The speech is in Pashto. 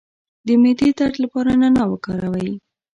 د معدې درد لپاره نعناع وکاروئ